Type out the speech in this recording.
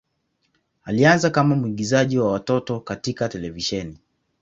Alianza kama mwigizaji wa watoto katika televisheni.